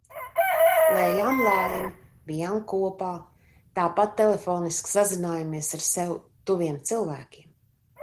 Lējām laimi, bijām kopā. Tāpat telefoniski sazinājāmies ar sev tuviem cilvēkiem.